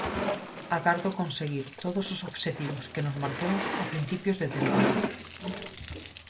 Agardo conseguir todos os obxectivos que nos marquemos a principios de tempada.